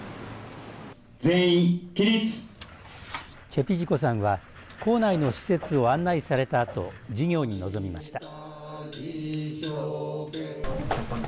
チェピジコさんは校内の施設を案内されたあと授業に臨みました。